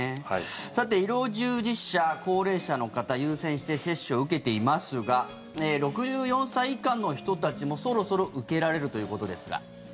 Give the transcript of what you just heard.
さて、医療従事者、高齢者の方優先して接種を受けていますが６４歳以下の人たちも、そろそろ受けられるということですが。